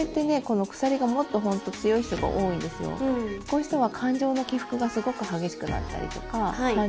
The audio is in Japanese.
こういう人は。